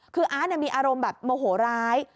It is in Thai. คืออาร์ตมีอารมณ์แบบโมโหร้าย